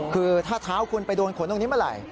คือถ้าเท้าคุณไปโดนขนตรงนี้เมื่อไหร่